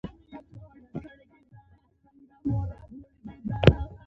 هغې د حساس خوب په اړه خوږه موسکا هم وکړه.